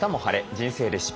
人生レシピ」。